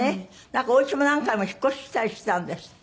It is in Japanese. おうちも何回も引っ越ししたりしたんですって？